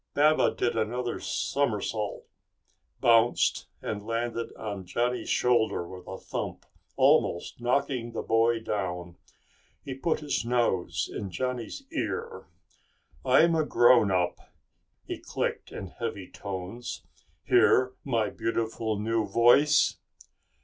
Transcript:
Baba did another somersault, bounced, and landed on Johnny's shoulder with a thump, almost knocking the boy down. He put his nose in Johnny's ear. "I'm a grown up," he clicked in heavy tones. "Hear my beautiful new voice?"